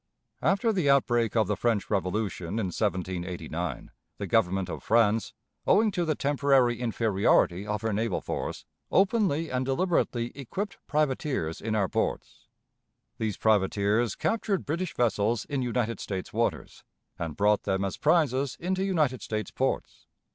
After the outbreak of the French Revolution in 1789, the Government of France, owing to the temporary inferiority of her naval force, openly and deliberately equipped privateers in our ports. These privateers captured British vessels in United States waters, and brought them as prizes into United States ports.